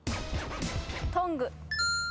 トング。